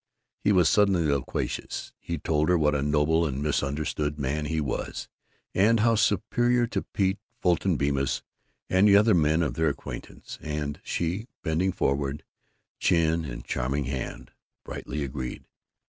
He was suddenly loquacious; he told her what a noble and misunderstood man he was, and how superior to Pete, Fulton Bemis, and the other men of their acquaintance; and she, bending forward, chin in charming hand, brightly agreed.